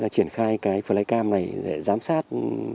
triển khai cái flycam này để giám sát